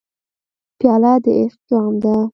پیاله د عشق جام ده.